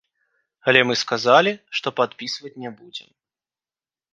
Але мы сказалі, што падпісваць не будзем.